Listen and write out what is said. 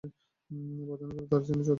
প্রার্থনা করি, তাঁর যেন চৈতন্য হয়।